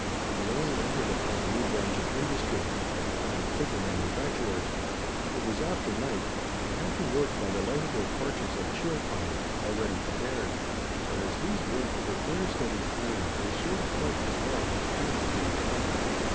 They only entered upon a new branch of industry: by becoming paper manufacturers. It was after night; and they had to work by the light of their torches of cheel pine, already prepared. But as these burnt with a clear steady flame, they served quite as well as candles would have done.